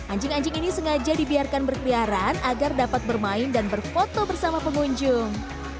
anjing anjing ini sengaja dibiarkan berkeliaran agar dapat bermain dan berfoto bersama pengunjung